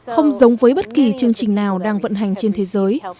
không giống với bất kỳ chương trình nào đang vận hành trên thế giới